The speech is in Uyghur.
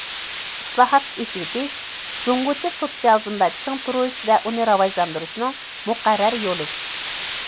ئىسلاھات، ئېچىۋېتىش جۇڭگوچە سوتسىيالىزمدا چىڭ تۇرۇش ۋە ئۇنى راۋاجلاندۇرۇشنىڭ مۇقەررەر يولى.